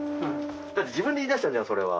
だって自分で言いだしたじゃんそれは。